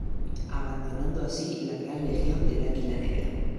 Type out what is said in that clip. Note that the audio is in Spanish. Abandonando así la Gran Legión del Águila Negra.